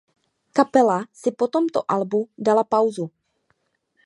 Kapela si po tomto albu dala pauzu.